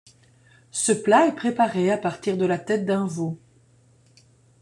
Ce plat est préparé à partir de la tête d'un veau.